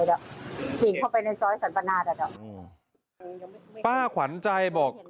หิ่งเข้าไปในซ้อยสันปนาทอ่ะจ๊ะอืมป้าขวัญใจบอก